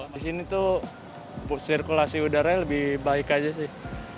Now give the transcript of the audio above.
di sini tuh sirkulasi udaranya lebih baik aja sih